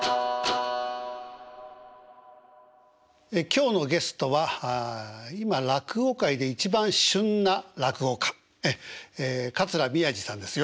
今日のゲストは今落語界で一番旬な落語家桂宮治さんです